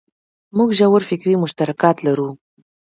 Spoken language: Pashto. موږ ژور فکري مشترکات لرو.